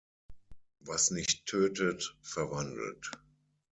Was nicht tötet, verwandelt.